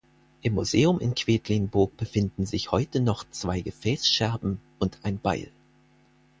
Im Museum in Quedlinburg befinden sich heute noch zwei Gefäßscherben und ein Beil.